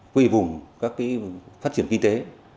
quy vùng các phát triển kinh tế